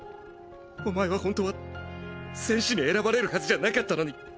お前は本当は戦士に選ばれるはずじゃなかったのに。